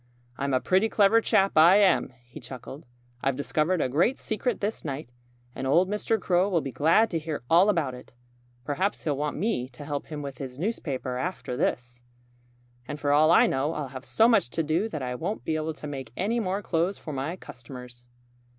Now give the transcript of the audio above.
"I'm a pretty clever chap, I am!" he chuckled. "I've discovered a great secret this night. And old Mr. Crow will be glad to hear all about it. Perhaps he'll want me to help him with his newspaper after this. "And for all I know I'll have so much to do that I won't be able to make any more clothes for my customers."